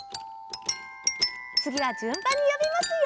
つぎはじゅんばんによびますよ。